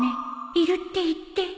いるって言って